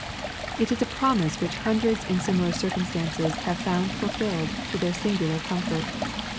It is a promise which hundreds in similar circumstances have found fulfilled to their singular comfort.